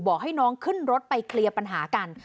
บอกให้น้องขึ้นรถไปเคลียร์ปัญหากัน